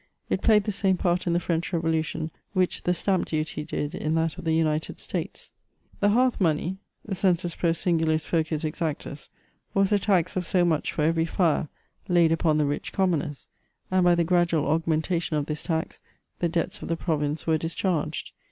It played the same part in the French revolution, which the stamp * duty did in that of the United States. The hearth monetf (census pro singulis Jbcis exactus) was a tax of so much for every fire, laid upon the rich commoners ; and by the gradual augmentation of this tax, the debts of the province were discharged.